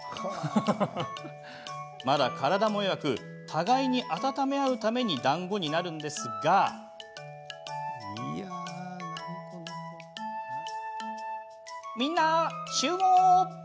まだ体も弱く互いに温め合うために団子になるんですがみんな集合。